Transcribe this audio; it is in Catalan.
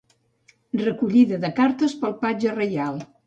Recollida de cartes pel Patge Reial.